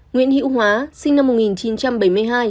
nguyễn hữu hóa sinh năm một nghìn chín trăm bảy mươi hai